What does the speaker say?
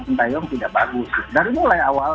sintayong tidak bagus dari mulai awal